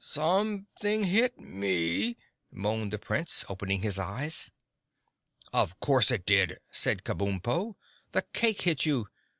"Something hit me," moaned the Prince, opening his eyes. "Of course it did!" said Kabumpo. "The cake hit you.